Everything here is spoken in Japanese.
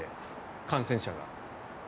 感染者が。